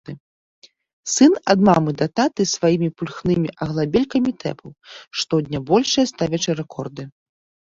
Сын ад мамы да таты сваімі пульхнымі аглабелькамі тэпаў, штодня большыя ставячы рэкорды.